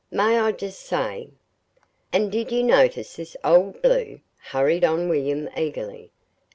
"May I just say " "And did you notice this 'Old Blue'?" hurried on William, eagerly.